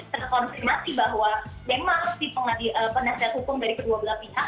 terkonfirmasi bahwa memang si penasihat hukum dari kedua belah pihak